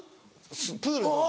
プールの。